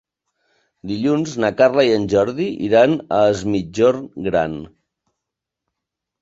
Dilluns na Carla i en Jordi iran a Es Migjorn Gran.